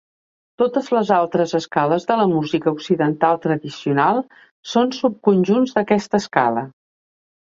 Totes les altres escales de la música occidental tradicional són subconjunts d'aquesta escala.